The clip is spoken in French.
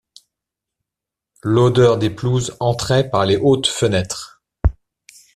L'odeur des pelouses entrait par les hautes fenêtres.